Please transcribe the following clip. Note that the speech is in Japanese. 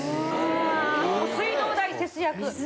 水道代節約。